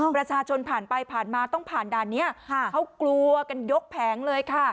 ประชาชนผ่านไปผ่านมาต้องผ่านด่านนี้เขากลัวกันยกแผงเลยค่ะ